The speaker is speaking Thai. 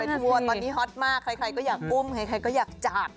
ตอนนี้ฮอตมากใครก็อยากกุ้มใครก็อยากจัด